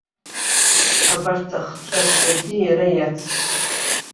Абарҭ ахҿақәагьы иара иацын.